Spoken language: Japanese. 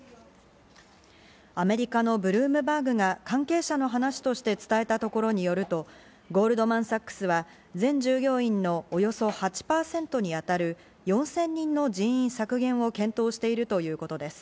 アメリカのブルームバーグが関係者の話として伝えたところによると、ゴールドマン・サックスは全従業員のおよそ８％に当たる４０００人の人員削減を検討しているということです。